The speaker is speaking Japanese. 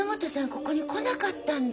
ここに来なかったんだ。